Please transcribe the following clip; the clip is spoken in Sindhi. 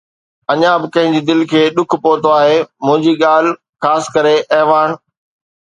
اڃا به ڪنهن جي دل کي ڏک پهتو آهي منهنجي ڳالهه، خاص ڪري اعواڻ.